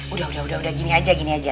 udah udah gini aja